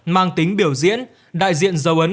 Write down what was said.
mang tính biểu diễn đại diện dấu ấn